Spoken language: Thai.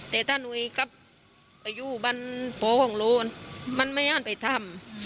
แต่ถ้าหนูกลับไปอยู่บ้านโผล่ของโลมันไม่อ้านไปทำ